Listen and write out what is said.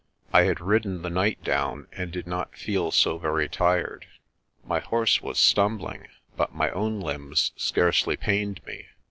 I had ridden the night down, and did not feel so very tired. My horse was stumbling but my own limbs scarcely pained me.